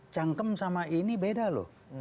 cangkem sama ini beda loh